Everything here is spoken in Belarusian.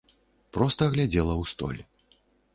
Проста глядзела ў столь.